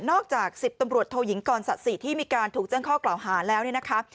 นอกจาก๑๐ตำรวจโทยิงก่อนศักดิ์สิทธิ์ที่มีการถูกเจ้งข้อกล่าวหาแล้วเนี่ยนะคะ